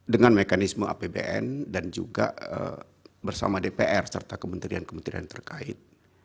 dengan mekanisme apbn dan juga bersama dpr serta kementerian kementerian terkait